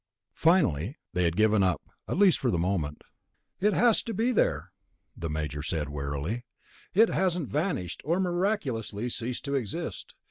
Finally, they had given up, at least for the moment. "It has to be there," the Major had said wearily. "It hasn't vanished, or miraculously ceased to exist.